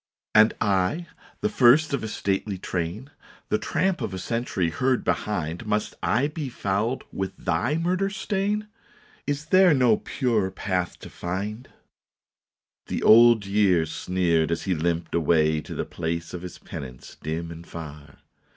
" And I, the first of a stately train, The tramp of a century heard behind, Must I be fouled with thy murder stain? Is there no pure path to find? " The Old Year sneered as he limped away To the place of his penance dim and far.